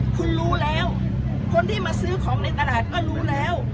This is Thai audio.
คุณรู้แล้วคนที่มาซื้อของในตลาดก็รู้แล้ว